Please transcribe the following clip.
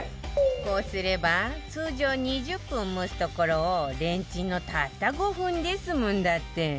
こうすれば通常２０分蒸すところをレンチンのたった５分で済むんだって